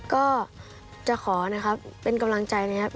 ก็จะขอนะครับเป็นกำลังใจนะครับ